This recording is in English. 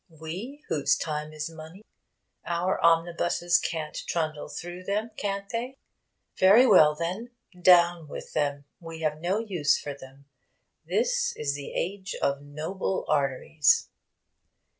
we whose time is money. Our omnibuses can't trundle through them, can't they? Very well, then. Down with them! We have no use for them. This is the age of 'noble arteries.'